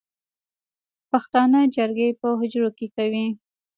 پښتانه جرګې په حجرو کې کوي